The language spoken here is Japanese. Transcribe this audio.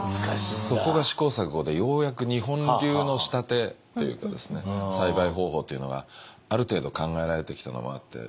そこが試行錯誤でようやく日本流の仕立てというか栽培方法というのがある程度考えられてきたのもあって。